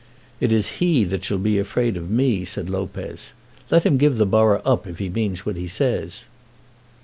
"It is he that shall be afraid of me," said Lopez. "Let him give the borough up if he means what he says."